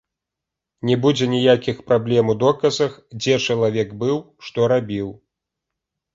Не будзе ніякіх праблем у доказах, дзе чалавек быў, што рабіў.